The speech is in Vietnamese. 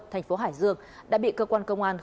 thành phố hải dương đã bị cơ quan công an